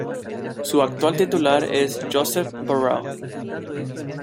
Su actual titular es Josep Borrell.